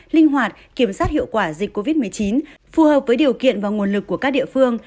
linh hoạt kiểm soát hiệu quả dịch covid một mươi chín phù hợp với điều kiện và nguồn lực của các địa phương